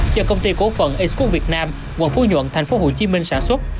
do công ty cố phận ecq việt nam quận phú nhuận tp hcm sản xuất